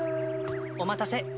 お待たせ！